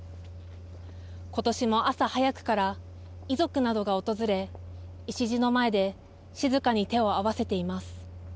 ことしも朝早くから、遺族などが訪れ、礎の前で静かに手を合わせています。